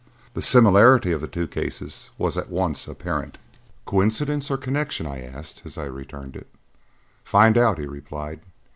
The similarity of the two cases was at once apparent. "Coincidence or connection?" I asked as I returned it. "Find out!" he replied.